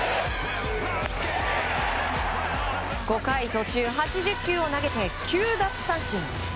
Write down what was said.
５回途中８０球を投げて９奪三振。